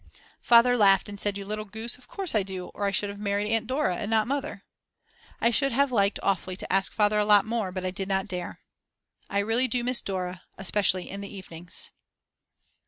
Father laughed and said: "You little goose, of course I do, or I should have married Aunt Dora and not Mother." I should have liked awfully to ask Father a lot more, but I did not dare. I really do miss Dora, especially in the evenings.